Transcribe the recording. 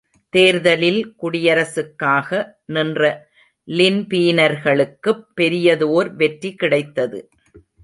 தேர்தலில் குடியரசுக்காக நின்ற லின்பீனர்களுக்குப் பெரியதோர் வெற்றி கிடைத்தது.